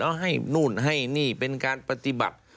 และมาให้นู่นให้นี่